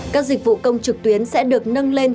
các dịch vụ công trực tuyến sẽ được nâng lên